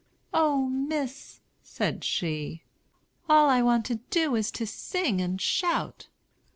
"O Miss," said she, "all I want to do is to sing and shout!"